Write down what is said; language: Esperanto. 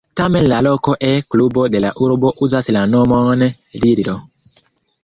Tamen la loka E-klubo de la urbo uzas la nomon "Lillo".